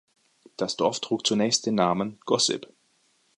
Das Dorf trug zunächst den Namen "Gossip".